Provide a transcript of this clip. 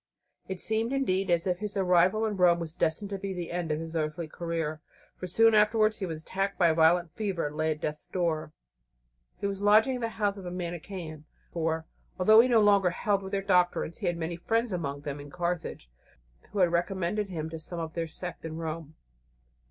It seemed, indeed, as if his arrival in Rome was destined to be the end of his earthly career, for soon afterwards he was attacked by a violent fever and lay at death's door. He was lodging in the house of a Manichean, for, although he no longer held with their doctrines, he had many friends among them in Carthage who had recommended him to some of their sect in Rome.